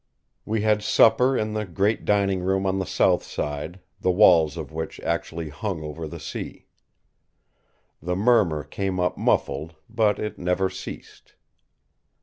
We had supper in the great dining room on the south side, the walls of which actually hung over the sea. The murmur came up muffled, but it never ceased.